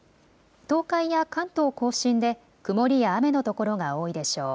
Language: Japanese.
東海や関東甲信で曇りや雨の所が多いでしょう。